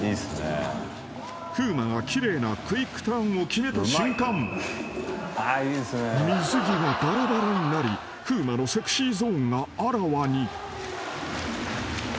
［風磨が奇麗なクイックターンを決めた瞬間水着がばらばらになり風磨のセクシーゾーンがあらわに］